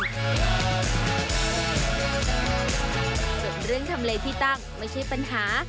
ส่วนเรื่องทำเลที่ตั้งไม่ใช่ปัญหา